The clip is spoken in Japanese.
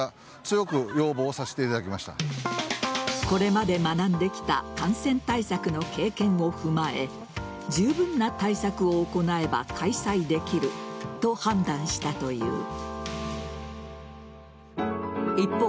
これまで学んできた感染対策の経験を踏まえ十分な対策を行えば開催できると判断したという。